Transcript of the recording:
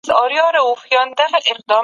د پخوانيو خلګو زغم تر نننيو خلګو کم وو.